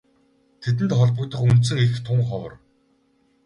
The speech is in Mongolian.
Тэдэнд холбогдох үндсэн эх тун ховор.